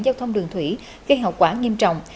giao thông đường thủy gây hậu quả nghiêm trọng